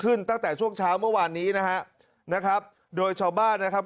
ตั้งแต่ช่วงเช้าเมื่อวานนี้นะฮะนะครับโดยชาวบ้านนะครับ